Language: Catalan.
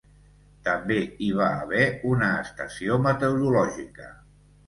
També hi va haver una estació meteorològica.